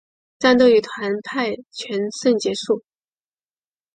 战斗以团派全胜结束。